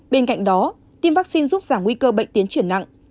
bên cạnh đó tiêm vaccine giúp giảm nguy cơ bệnh tiến triển nặng